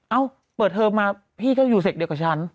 เอ้าเปิดเทอมมาพี่ก็อยู่เสกเดียวกับฉัน